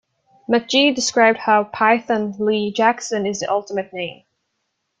McGee described how Python Lee Jackson is the ultimate name.